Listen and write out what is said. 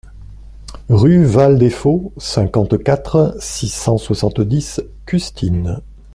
Rue Val des Faulx, cinquante-quatre, six cent soixante-dix Custines